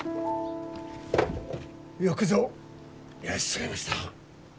よくぞいらっしゃいました。